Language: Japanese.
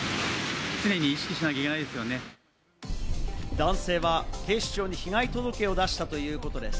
男性は警視庁に被害届を出したということです。